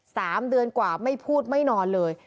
สามเดือนกว่าไม่พูดไม่นอนเลย